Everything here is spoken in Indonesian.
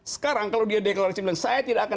sekarang kalau dia deklarasi bilang saya tidak akan